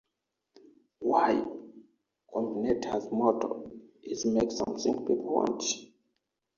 Y Combinator's motto is Make Something People Want.